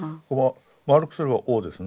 丸くすれば「Ｏ」ですね。